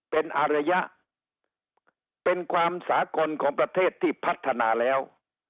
เป็นอารยะเป็นความสากลของประเทศที่พัฒนาแล้ว